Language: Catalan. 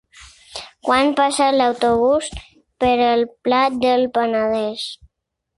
Quan passa l'autobús per el Pla del Penedès?